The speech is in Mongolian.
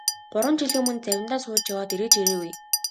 Гурван жилийн өмнө завиндаа сууж яваад эргэж ирээгүй.